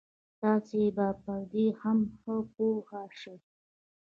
تاسې به پر دې هم ښه پوه شئ.